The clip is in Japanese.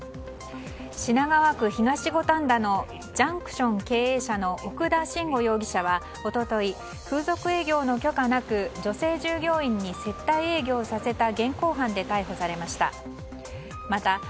品川区東五反田のジャンクション経営者の奥田伸吾容疑者は一昨日、風俗営業の許可なく女性従業員に接待営業をさせた現行犯で逮捕されました。